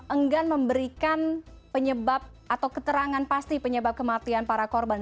enggan memberikan penyebab atau keterangan pasti penyebab kematian para korban